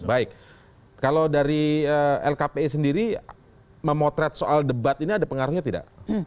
baik kalau dari lkpi sendiri memotret soal debat ini ada pengaruhnya tidak